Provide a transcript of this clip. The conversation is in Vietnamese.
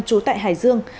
trú tại hải dương